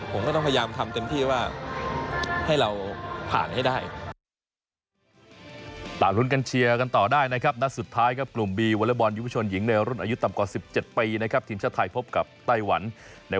ผมก็ต้องพยายามทำเต็มที่ว่าให้เราผ่านให้ได้